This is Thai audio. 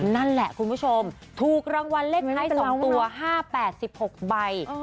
นั่นแหละคุณผู้ชมถูกรางวัลเลขท้าย๒ตัว๕๘๖ใบ